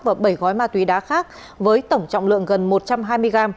và bảy gói ma túy đá khác với tổng trọng lượng gần một trăm hai mươi gram